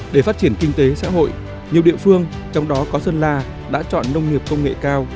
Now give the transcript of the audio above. để phát triển kinh tế xã hội nhiều địa phương trong đó có sơn la đã chọn nông nghiệp công nghệ cao